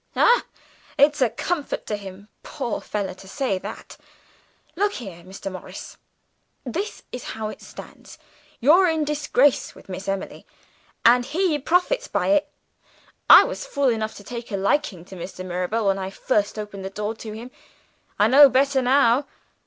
"Ah, it's a comfort to him, poor fellow, to say that! Look here, Mr. Morris; this is how it stands. You're in disgrace with Miss Emily and he profits by it. I was fool enough to take a liking to Mr. Mirabel when I first opened the door to him; I know better now.